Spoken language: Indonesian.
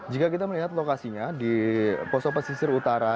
jika kita melihat lokasinya di poso pesisir utara